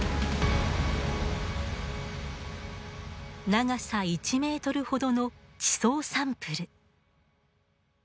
長さ１メートルほどの地層サンプル。